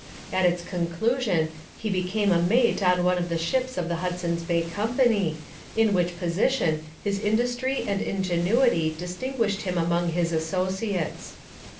At its conclusion he became a mate on one of the ships of the Hudson's Bay Company, in which position his industry and ingenuity distinguished him among his associates.